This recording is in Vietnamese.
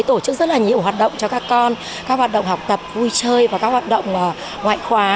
tổ chức rất là nhiều hoạt động cho các con các hoạt động học tập vui chơi và các hoạt động ngoại khóa